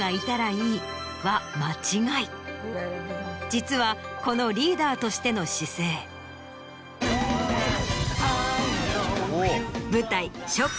実はこのリーダーとしての姿勢。こちら。